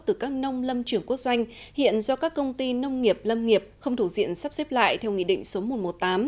từ các nông lâm trưởng quốc doanh hiện do các công ty nông nghiệp lâm nghiệp không thủ diện sắp xếp lại theo nghị định số một trăm một mươi tám